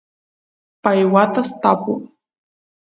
pay watas tapu